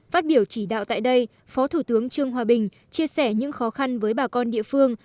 phát biểu chỉ đạo tại đây phó thủ tướng trương hòa bình chia sẻ những khó khăn với bà con địa phương